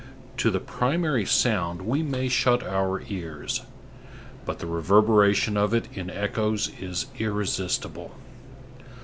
To the primary sound we may shut our ears; but the reverberation of it in echoes is irresistible.